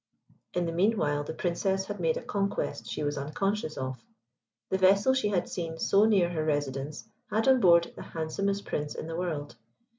In the meanwhile the Princess had made a conquest she was unconscious of. The vessel she had seen so near her residence had on board the handsomest Prince in the world.